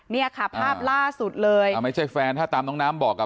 เนี่ยค่ะภาพล่าสุดเลยอ่าไม่ใช่แฟนถ้าตามน้องน้ำบอกอ่ะ